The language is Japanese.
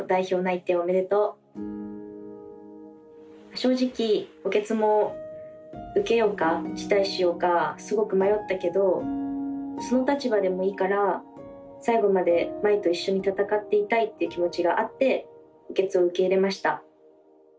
正直補欠も受けようか辞退しようかすごく迷ったけどその立場でもいいから最後まで茉愛と一緒に戦っていたいって気持ちがあって補欠を受け入れました。